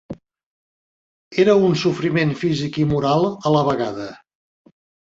Era un sofriment físic i moral a la vegada.